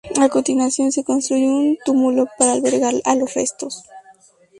A continuación, se construyó un túmulo para albergar los restos.